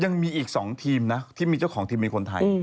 ยังมีอีก๒ทีมนะที่มีเจ้าของทีมมีคนไทย